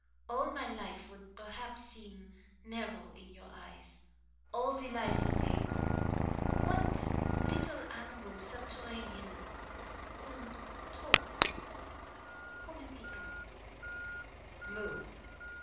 All my life would perhaps seem narrow in your eyes all the life of a that little animal subterranean une taupe comment dit on?" "Mole."